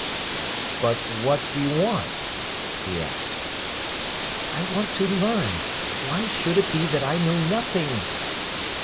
"But what do you want?" he asked. "I want to learn. Why should it be that I know nothing?"